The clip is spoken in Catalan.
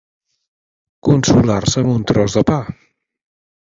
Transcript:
Consolar-se amb un tros de pa.